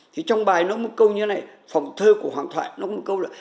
thì trong bài nó có một câu như thế này phòng thơ của hoàng thoại nó có một câu là